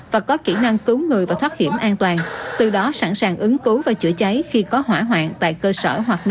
và có kỹ năng cứu người và thoát hiểm an toàn từ đó sẵn sàng ứng cứu và chữa cháy khi có hỏa hoạn